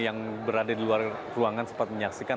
yang berada di luar ruangan sempat menyaksikan